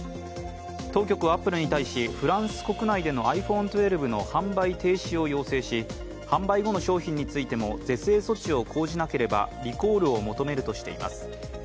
当局はアップルに対しフランス国内でのｉＰｈｏｎｅ１２の販売停止を要請し販売後の商品についても是正措置を講じなければリコールを求めるとしています。